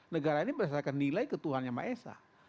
negara ini berdasarkan nilai ke tuhan yang ma'esah